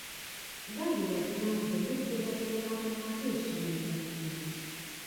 دا هېوادونه د نفتو لرلو له امله ډېر شتمن ګڼل کېږي.